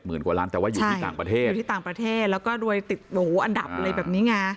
กว่าล้านแต่ว่าอยู่ที่ต่างประเทศอยู่ที่ต่างประเทศแล้วก็รวยติดหรูอันดับอะไรแบบนี้ไง